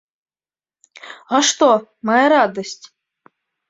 А што, мая радасць?